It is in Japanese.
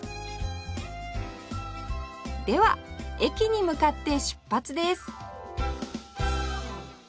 では駅に向かって出発です